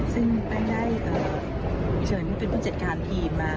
ซึ่งแป้งได้เฉินเป็นผู้จัดการทีมมา